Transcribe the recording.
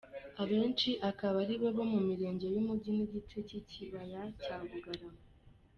Abenshi akaba ari abo mu mirenge y’umujyi n’igice cy’ikibaya cya Bugarama.